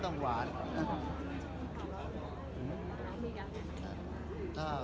สังสารก็ต้องหวาน